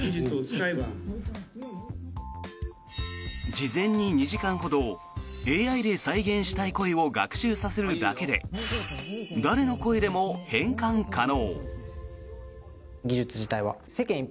事前に２時間ほどＡＩで再現したい声を学習させるだけで誰の声でも変換可能。